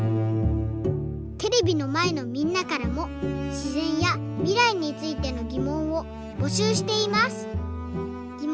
テレビのまえのみんなからもしぜんやみらいについてのぎもんをぼしゅうしています。